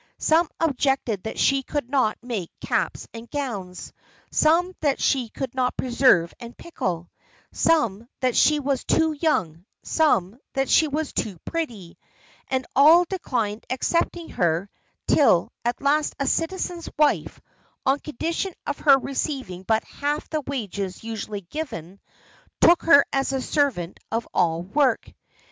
Some objected that she could not make caps and gowns; some that she could not preserve and pickle; some, that she was too young; some, that she was too pretty; and all declined accepting her, till at last a citizen's wife, on condition of her receiving but half the wages usually given, took her as a servant of all work.